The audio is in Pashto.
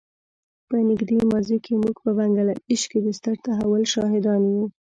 په نږدې ماضي کې موږ په بنګله دېش کې د ستر تحول شاهدان یو.